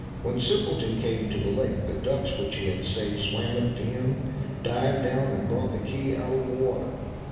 When Simpleton came to the lake, the ducks which he had saved, swam up to him, dived down, and brought the key out of the water.